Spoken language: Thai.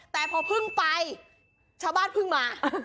แต่พอเพิ่งไปชาวบ้านเพิ่งมา